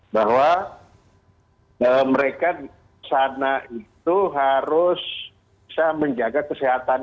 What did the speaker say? bahwa mereka di sana itu harus bisa menjaga kesehatan